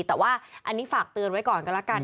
แต่ว่าอันนี้ฝากเตือนไว้ก่อนกันแล้วกัน